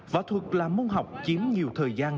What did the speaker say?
võ thuật là môn học chiếm nhiều thời gian